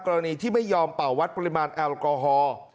ที่ไม่ยอมเป่าวัดปริมาณแอลกอฮอล์